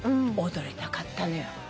踊りたかったのよ。